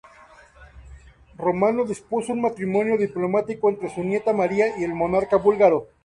Romano dispuso un matrimonio diplomático entre su nieta María y el monarca búlgaro.